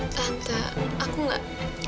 tante aku gak